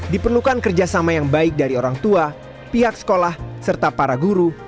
diperlukan kerjasama yang baik dari orang tua pihak sekolah serta para guru